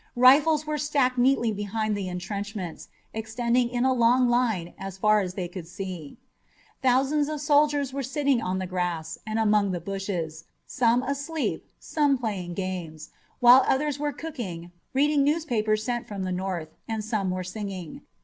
Rifles were stacked neatly behind the intrenchments, extending in a long line as far as they could see. Thousands of soldiers were sitting on the grass and among the bushes, some asleep, some playing games, while others were cooking, reading newspapers sent from the North, and some were singing.